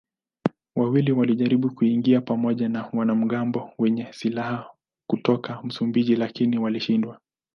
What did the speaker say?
Wawili walijaribu kuingia pamoja na wanamgambo wenye silaha kutoka Msumbiji lakini walishindwa.